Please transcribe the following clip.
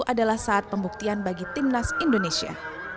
adalah saat pembuktian bagi timnas indonesia